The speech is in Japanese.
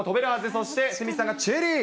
そして鷲見さんがチェリー。